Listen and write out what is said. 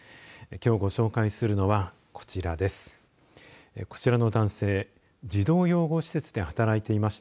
きょう、ご紹介するのはこちらです。